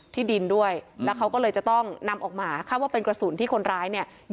ที่ดินด้วยแล้วเขาก็เลยจะต้องนำออกมาคาดว่าเป็นกระสุนที่คนร้ายเนี่ย